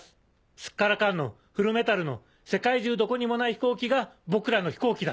スッカラカンのフルメタルの世界中どこにもない飛行機が僕らの飛行機だ。